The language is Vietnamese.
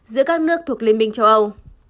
giữa các nước thuộc liên minh châu âu